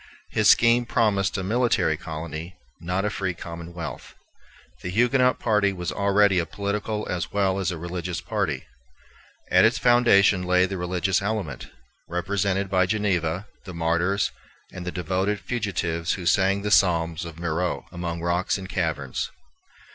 His scheme promised a military colony, not a free commonwealth. The Huguenot party was already a political as well as a religious party. At its foundation lay the religious element, represented by Geneva, the martyrs, and the devoted fugitives who sang the psalms of Marot among rocks and caverns.